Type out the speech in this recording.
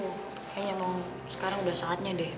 kayaknya emang sekarang udah saatnya deh